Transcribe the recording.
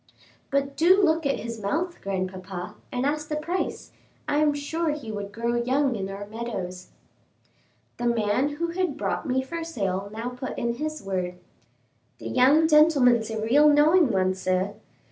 "But do look at his mouth, grandpapa, and ask the price; I am sure he would grow young in our meadows." The man who had brought me for sale now put in his word. "The young gentleman's a real knowing one, sir.